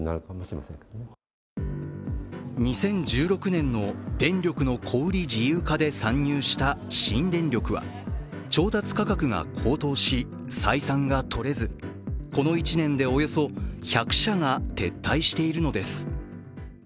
２０１６年の電力の小売自由化で参入した新電力は、調達価格が高騰し、採算がとれずこの１年でおよそ１００社が撤退しているのです。